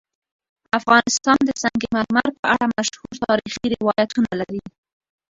افغانستان د سنگ مرمر په اړه مشهور تاریخی روایتونه لري.